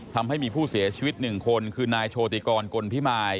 ทำให้มีผู้เสียชีวิต๑คนคือนายโชติกรกลพิมาย